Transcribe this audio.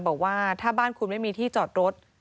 บอกว่าถ้าบ้านคุณไม่มีที่จอดรถ